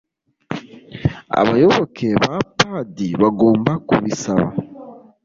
Abayoboke ba pdi bagomba kubisaba